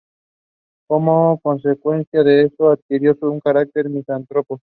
Como consecuencia de eso, adquirió un carácter misántropo.